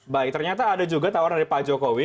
baik ternyata ada juga tawaran dari pak jokowi